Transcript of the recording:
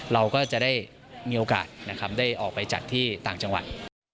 เราก็จะได้มีโอกาสนะครับได้ออกไปจัดที่ต่างจังหวัด